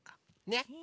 ねっ！